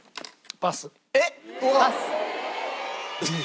パス。